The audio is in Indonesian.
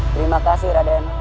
terima kasih raden